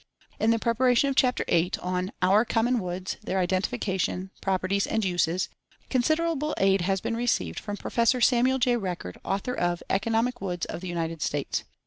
In the preparation of Chapter VIII on "Our Common Woods: Their Identification, Properties and Uses," considerable aid has been received from Prof. Samuel J. Record, author of "Economic Woods of the United States."